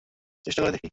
চেষ্টা করে দেখি।